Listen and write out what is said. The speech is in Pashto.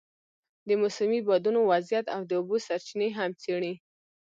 د موسمي بادونو وضعیت او د اوبو سرچینې هم څېړي.